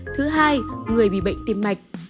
thứ hai người bị bệnh tim mạch